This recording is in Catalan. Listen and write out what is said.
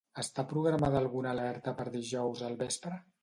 Està programada alguna alerta per dijous al vespre?